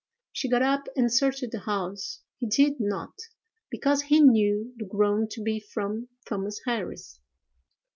She got up and searched the house: he did not, because he knew the groan to be from Thomas Harris.